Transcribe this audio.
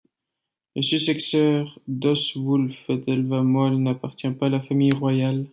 Le successeur d'Oswulf, Æthelwald Moll, n'appartient pas à la famille royale.